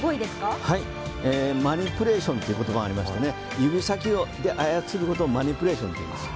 マニピュレーションという言葉がありまして指先で操ることをマニピュレーションといいます。